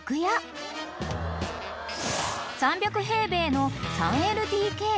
［３００平米の３ＬＤＫ］